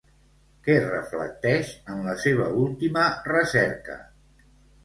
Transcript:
Què reflecteix en la seva última recerca?